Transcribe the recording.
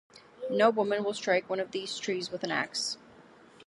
No woman will strike one of these trees with an axe.